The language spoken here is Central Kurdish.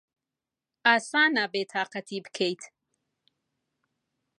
ئاسانە بێتاقەتی بکەیت.